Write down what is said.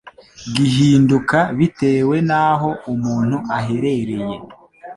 gihinduka bitewe n'aho umuntu aherereye